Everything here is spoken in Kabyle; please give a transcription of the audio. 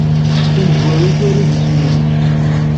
Tamezwarut, aru-d isem-nnek.